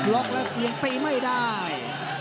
ล็อกแล้วเกียงตีไม่ได้